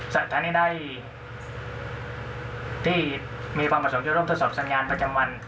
สัตว์ทางในใดที่มีความผสมยุดร่วมทดสอบสัญญาณประจำวัน